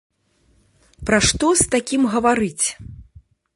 Пра што з такім гаварыць?